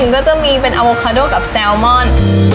ก็จะมีเป็นอโวคาโดกับแซลมอน